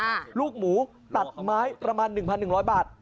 ลูกหมูตัดไม้ประมาณหนึ่งพันหนึ่งร้อยบาท